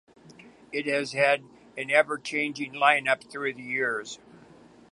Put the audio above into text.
It has had an ever-changing line-up through the years.